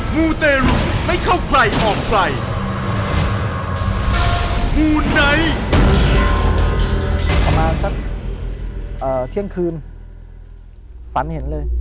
ประมาณสักเที่ยงคืนฝันเห็นเลย